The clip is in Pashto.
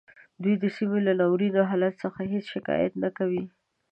دوی د سیمې له ناوریني حالت څخه هیڅ شکایت نه کوي